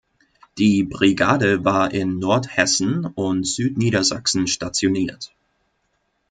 Die Brigade war in Nordhessen und Südniedersachsen stationiert.